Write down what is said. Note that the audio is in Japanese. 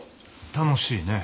楽しいね。